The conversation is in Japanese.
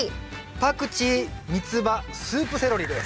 パクチーミツバスープセロリです。